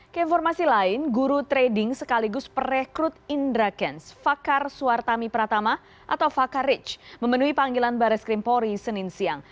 keinformasi lain guru trading sekaligus perekrut indra kents fakar suartami pratama atau fakar rich memenuhi panggilan baris krimpori senin siang